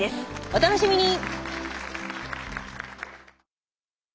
お楽しみに！